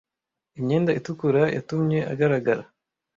Imyenda itukura yatumye agaragara.